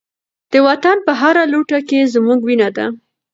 د وطن په هره لوټه کې زموږ وینه ده.